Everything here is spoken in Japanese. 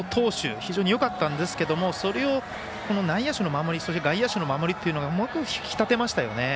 非常によかったんですけどもそれを内野手の守りそして、外野手の守りというのがうまく引き立てましたよね。